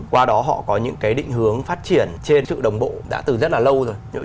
qua đó họ có những cái định hướng phát triển trên sự đồng bộ đã từ rất là lâu rồi